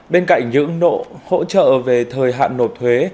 bên cạnh những hỗ trợ về thời hạn nộp thuế